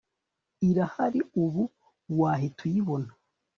irahari ubu wahita uyibona